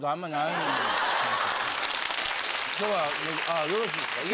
今日はああよろしいですか？